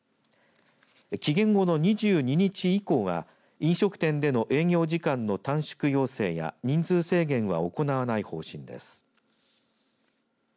期限後の２２日以降は飲食店での営業時間の短縮要請や人数制限は行わない方針です。